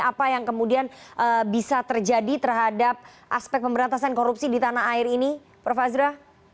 apa yang kemudian bisa terjadi terhadap aspek pemberantasan korupsi di tanah air ini prof azra